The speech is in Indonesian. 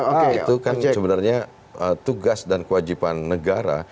oke itu kan sebenarnya tugas dan kewajipan negara